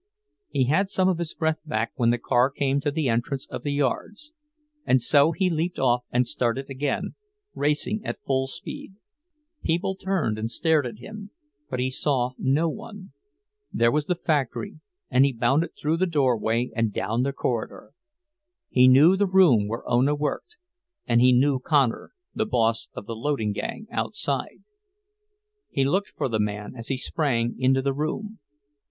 He had some of his breath back when the car came to the entrance of the yards, and so he leaped off and started again, racing at full speed. People turned and stared at him, but he saw no one—there was the factory, and he bounded through the doorway and down the corridor. He knew the room where Ona worked, and he knew Connor, the boss of the loading gang outside. He looked for the man as he sprang into the room.